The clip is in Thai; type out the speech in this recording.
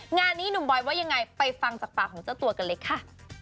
งานนี้หนุ่มบอยว่ายังไงไปฟังจากปากของเจ้าตัวกันเลยค่ะ